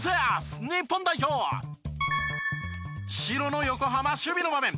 白の横浜守備の場面。